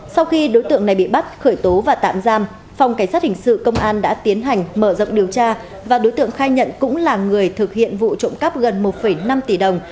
sau khi đối tượng này bị bắt khởi tố và tạm giam phòng cảnh sát hình sự công an đã tiến hành mở rộng điều tra và đối tượng khai nhận cũng là người thực hiện vụ trộm cắp gần một năm tỷ đồng